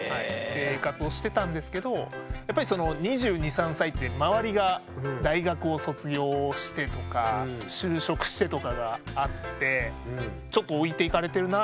生活をしてたんですけどやっぱりその２２２３歳って周りが大学を卒業してとか就職してとかがあってちょっと置いていかれてるなみたいな。